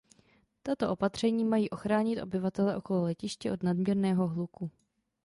Tato opatření mají ochránit obyvatele okolo letiště od nadměrného hluku.